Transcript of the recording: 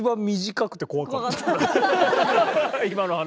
今の話。